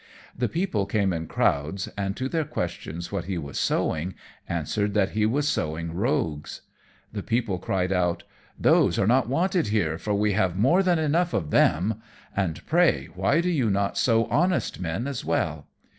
The people came in crowds, and to their questions what he was sowing, answered that he was sowing rogues. The people cried out, "Those are not wanted here, for we have more than enough of them; and, pray, why do you not sow honest men as well?"